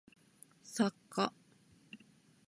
作家